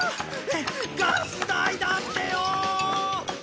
ガス代だってよ！